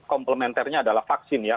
komplementernya adalah vaksin ya